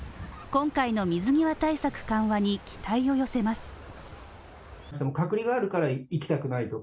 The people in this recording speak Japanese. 今回の水際対策緩和に期待を寄せます。